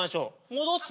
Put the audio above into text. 戻す。